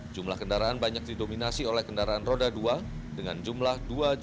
jumlah kendaraan banyak didominasi oleh kendaraan roda dua dengan jumlah dua tiga ratus empat puluh dua